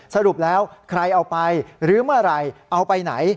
สรุปแล้วใครเอาไปหรือเมื่อไหร่เอาไปไหน